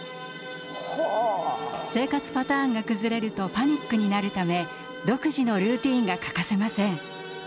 生活パターンが崩れるとパニックになるため独自のルーティンが欠かせません。